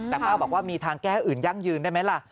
แต่เมื่อวานบอกว่ามีทางแก้ให้อื่นยั่งยืนได้ไหมล่ะ